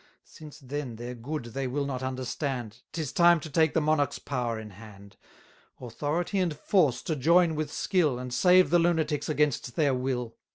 Since then their good they will not understand, 'Tis time to take the monarch's power in hand; Authority and force to join with skill, And save the lunatics against their will.